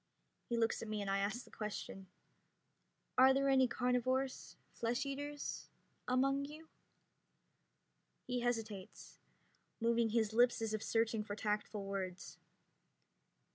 He looks at me and I ask the question: "Are there any carnivores flesh eaters among you?" He hesitates, moving his lips as if searching for tactful words.